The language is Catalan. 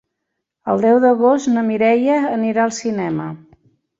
El deu d'agost na Mireia anirà al cinema.